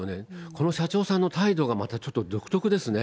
この社長さんの態度がまたちょっと独特ですね。